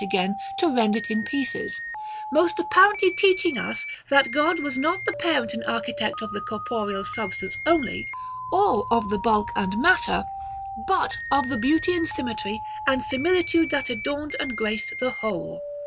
again to rend it in pieces ;— most apparently teaching us, that God was not the parent and architect of the corporeal substance only, or of the bulk and matter, but of the beauty and symmetry and similitude that adorned and graced the whole.